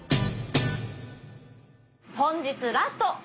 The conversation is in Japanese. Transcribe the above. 本日ラスト！